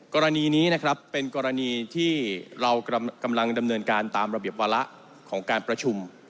กรณีนี้นะครับเป็นกรณีที่เรากำลังดำเนินการตามระเบียบวาระของการประชุม